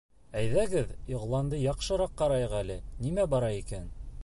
Әйҙәгеҙ, иғланды яҡшыраҡ ҡарайыҡ әле, нимә бара икән